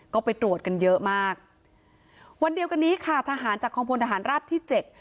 ก็ไปตรวจกันเยอะมากวันเดียวกันนี้ค่ะทหารจากกองพลทหารราบที่เจ็ด